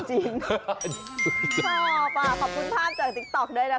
ชอบขอบคุณภาพจากติ๊กต๊อกด้วยนะคะ